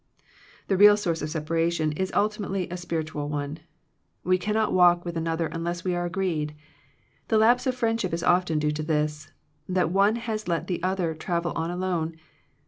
The real source of separation is ulti mately a spiritual one. We cannot walk with another unless we are agreed. The lapse of friendship is often due to this, that one has let the other travel on alone.